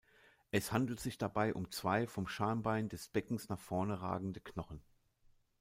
Es handelt sich dabei um zwei vom Schambein des Beckens nach vorne ragende Knochen.